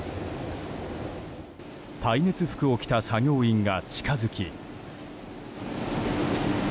耐熱服を着た作業員が近づき。